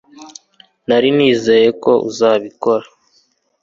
nari nizeye ko uzabikora